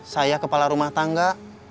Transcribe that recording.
saya kepala rumah tangga